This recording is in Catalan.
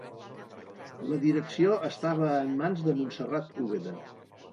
La direcció estava en mans de Montserrat Úbeda.